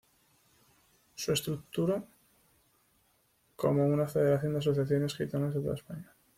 Se estructura como una federación de asociaciones gitanas de toda España.